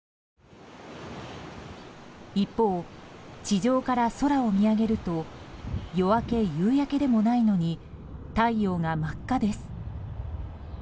一方、地上から空を見上げると夜明け、夕焼けでもないのに太陽が真っ赤です。